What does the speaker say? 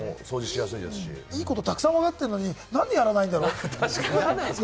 いいことたくさん分かってるのに、何でやらないんだろう？